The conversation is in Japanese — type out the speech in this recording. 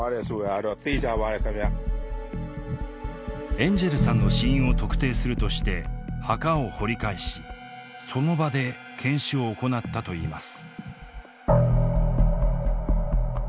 エンジェルさんの死因を特定するとして墓を掘り返しその場で検視を行ったといいます。